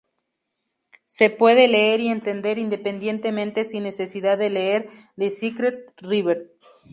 Se puede leer y entender independientemente sin necesidad de leer "The Secret River".